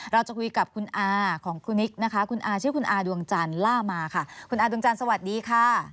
เราจะคุยกับคุณอาของครูนิกนะคะคุณอาชื่อคุณอาดวงจันทร์ล่ามาค่ะคุณอาดวงจันทร์สวัสดีค่ะ